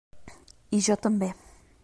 I jo també.